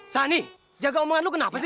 sani jaga omongan lo kenapa sih